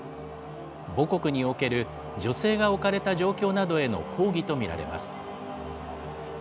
母国における女性が置かれた状況などへの抗議と見られます。